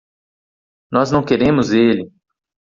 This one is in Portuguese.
Nós não queremos ele!